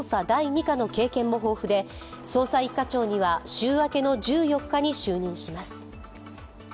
第２課の経験も豊富で捜査一課長には週明けの１４日に就任します。